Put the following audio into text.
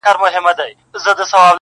ستا د دې ښکلي ځوانیه سره علم ښه ښکارېږي-